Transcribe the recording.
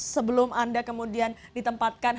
sebelum anda kemudian ditempatkan